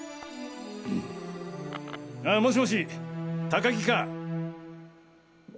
あもしもし高木か？